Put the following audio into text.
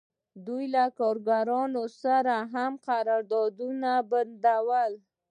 دوی له کارګرانو سره هم قراردادونه بندول